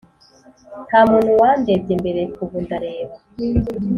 ntamuntu wandebye mbere, ubu ndareba.